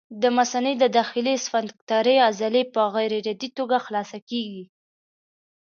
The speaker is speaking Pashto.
د مثانې د داخلي سفنکترې عضلې په غیر ارادي توګه خلاصه کېږي.